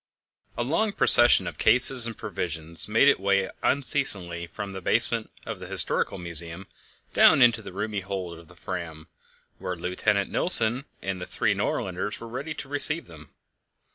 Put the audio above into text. A long procession of cases of provisions made its way unceasingly from the basement of the Historical Museum down into the roomy hold of the Fram, where Lieutenant Nilsen and the three Nordlanders were ready to receive them.